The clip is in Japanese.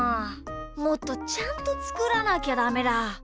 もっとちゃんとつくらなきゃダメだ。